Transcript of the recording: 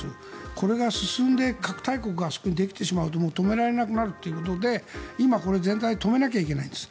これが進んで核大国があそこにできてしまうと止められなくなるということで今、これ全体で止めなきゃいけないんです。